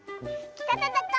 きたたたか！